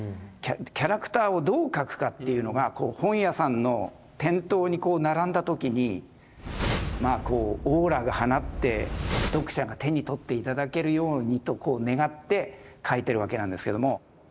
キャラクターをどう描くかっていうのが本屋さんの店頭に並んだ時にオーラが放って読者が手に取って頂けるようにと願って描いてるわけなんですけども。